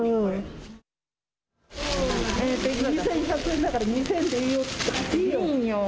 ２１００円だから２０００円でいいよ。